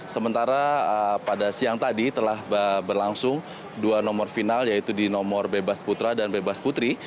sementara pada siang tadi telah berlangsung dua nomor final yaitu di nomor bebas putra dan bebas putri